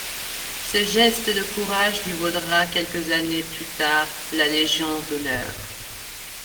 Ce geste de courage lui vaudra quelques années plus tard la Légion d'honneur.